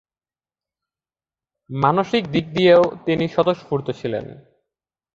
মানসিক দিক দিয়েও তিনি স্বতঃস্ফূর্ত ছিলেন।